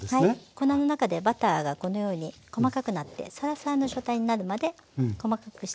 粉の中でバターがこのように細かくなってサラサラの状態になるまで細かくして頂くとよろしいです。